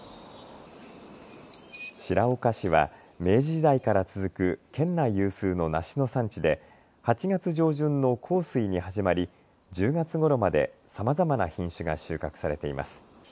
白岡市は明治時代から続く県内有数の梨の産地で８月上旬の幸水に始まり１０月ごろまでさまざまな品種が収穫されています。